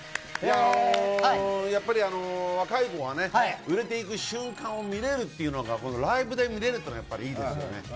やっぱり若い子が売れていく瞬間を見られるのがライブで見られるのがいいよね。